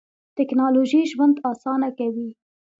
تکنالوژي ژوند آسانه کوي.